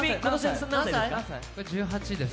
１８です。